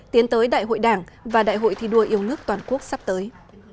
tiến tới đại hội đảng và đại hội thi đua yêu nước toàn quốc sắp tới